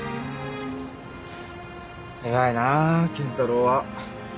偉いな健太郎は。